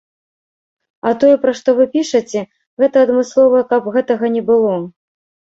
А тое, пра што вы пішаце, гэта адмыслова каб гэтага не было.